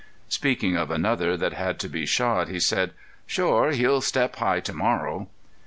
Speaking of another that had to be shod he said: "Shore, he'll step high to morrow."